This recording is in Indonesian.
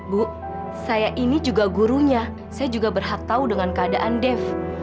bu saya ini juga gurunya saya juga berhak tahu dengan keadaan dev